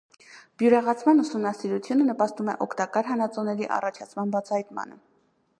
Բյուրեղացման ուսումնասիրությունը նպաստում է օգտակար հանածոների առաջացման բացահայտմանը։